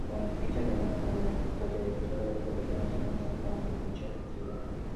Ofició además como director fundador del Colegio Nacional de San Juan de dicha ciudad.